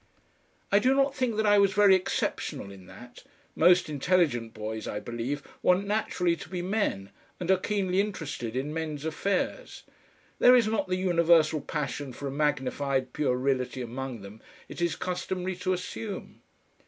I do not think that I was very exceptional in that; most intelligent boys, I believe, want naturally to be men, and are keenly interested in men's affairs. There is not the universal passion for a magnified puerility among them it is customary to assume.